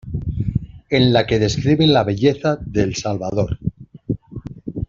En la que describe la belleza de El Salvador.